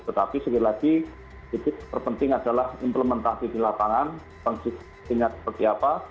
tetapi sekali lagi titik yang lebih penting adalah implementasi di lapangan pengisian seperti apa